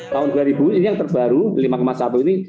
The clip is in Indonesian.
tahun dua ribu ini yang terbaru lima satu ini